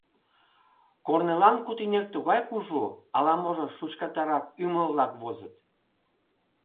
Корнылан кутынек тугай кужу, ала-можо шучкатарак ӱмыл-влак возыт.